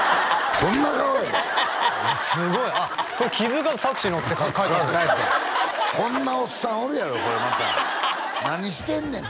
どんな顔やすごいあっこれ気づかずタクシー乗ってから帰ってんこんなおっさんおるやろこれまた何してんねん？